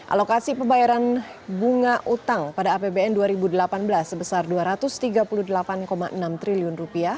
alokasi pembayaran bunga utang pada apbn dua ribu delapan belas sebesar rp dua ratus tiga puluh delapan enam triliun